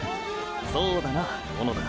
そうだな小野田。